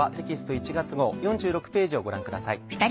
１月号４６ページをご覧ください。